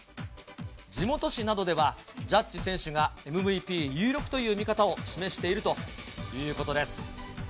地元紙などでは、ジャッジ選手がＭＶＰ有力という見方を示しているということです。